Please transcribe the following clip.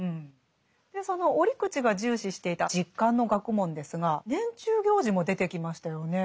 その折口が重視していた実感の学問ですが年中行事も出てきましたよね。